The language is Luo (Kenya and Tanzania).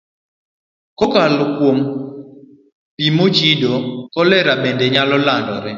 Kokalo kuom pi mochido, kolera bende nyalo landore.